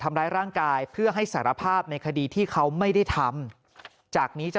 ทำร้ายร่างกายเพื่อให้สารภาพในคดีที่เขาไม่ได้ทำจากนี้จะ